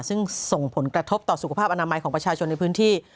ซึ่งส่งผลกระทบต่อสุขภาพอนามัยของประชาชนในพื้นที่